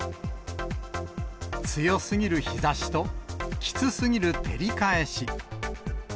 強すぎる日ざしときつすぎる照り返し。